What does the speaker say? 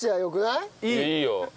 いいよ。